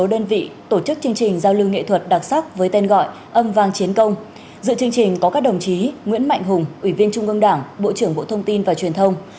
dự chương trình có các đồng chí nguyễn mạnh hùng ủy viên trung ương đảng bộ trưởng bộ thông tin và truyền thông